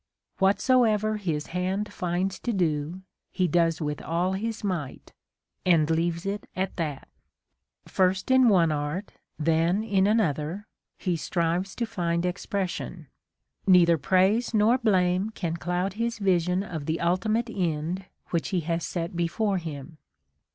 Whatsoever his hand finds to do, he does with all his might, — and leaves it at that. First in one art, then in another, he strives to find expression : neither praise nor blame can cloud his vision of the ultimate end which he has set before him.